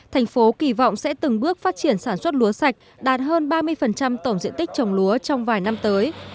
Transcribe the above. thành phố kỳ vọng sẽ từng bước phát triển sản xuất lúa sạch đạt hơn ba mươi tổng diện tích trồng lúa trong vài năm tới